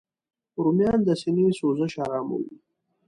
رومیان د سینې سوزش آراموي